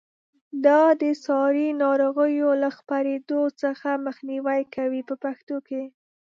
دا د ساري ناروغیو له خپرېدو څخه مخنیوی کوي په پښتو کې.